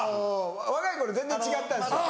若い頃全然違ったんですよ。